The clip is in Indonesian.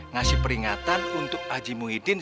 ngasih peringatan untuk haji muhyiddin